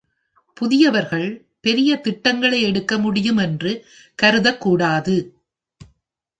புதியவர்கள் பெரிய திட்டங்களை எடுக்க முடியும் என்று கருதக்கூடாது.